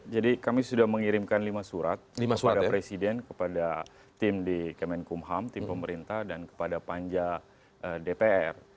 jadi kami sudah mengirimkan lima surat kepada presiden kepada tim di kemenkumham tim pemerintah dan kepada panja dpr